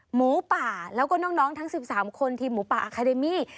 หมูป่าแล้วก็น้องทั้ง๑๓คนทีมหมูป่าอาคาเดมี่